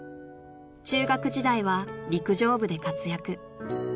［中学時代は陸上部で活躍］